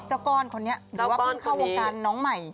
เจ้าก้อนคนนี้หรือว่าเข้าวงการน้องใหม่